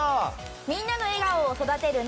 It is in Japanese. みんなの笑顔を育てるの！